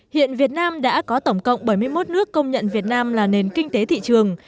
hiện việt nam đã có tổng cộng bảy mươi một nước công nhận việt nam là nền kinh tế thị trường